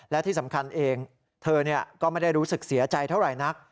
และที่สำคัญเองเธอก็ไม่ได้รู้สึกเสียใจเท่าไหร่นัก